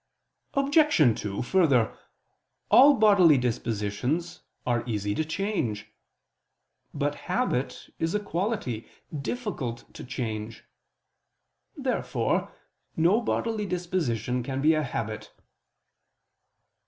Obj. 2: Further, all bodily dispositions are easy to change. But habit is a quality, difficult to change. Therefore no bodily disposition can be a habit.